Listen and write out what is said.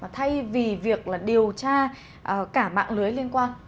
thay vì việc điều tra cả mạng lưới liên quan